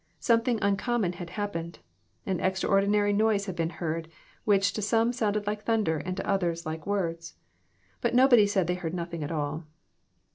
Something uncommon had hap pened. An extraordinary noise had been heard, which to some sounded like thunder, and to others like words. But nobody said they heard nothing at all.